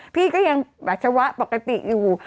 พี่ก็ยังปัสสาวะปกติอยู่